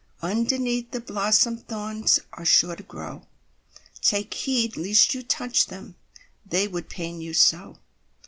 Underneath the blossom Thorns are sure to grow; Take heed lest you touch them, They would pain you so!